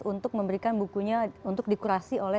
untuk memberikan bukunya untuk dikurasi oleh